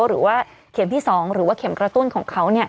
หรือว่าเข็มที่๒หรือว่าเข็มกระตุ้นของเขา